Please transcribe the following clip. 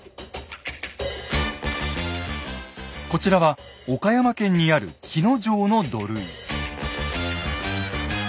こちらは岡山県にある鬼ノ城の土塁。